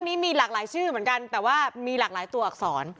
วันนี้มีหลากหลายชื่อเหมือนกันแต่ว่ามีหลากหลายตัวอักษร